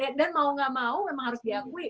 bener dan mau gak mau memang harus diakui